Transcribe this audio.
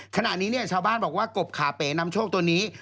ขณะนี้เนี่ยชาวบ้านบอกว่ากบขาเป๋นำโชคตัวนี้